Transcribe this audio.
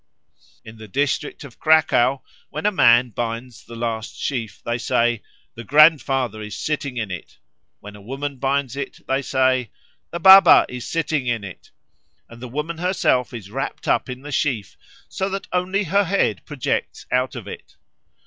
In the district of Cracow, when a man binds the last sheaf, they say, "The Grandfather is sitting in it"; when a woman binds it, they say, "The Baba is sitting in it," and the woman herself is wrapt up in the sheaf, so that only her head projects out of it.